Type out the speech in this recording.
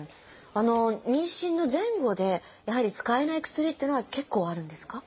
妊娠の前後でやはり使えない薬っていうのは結構あるんですか？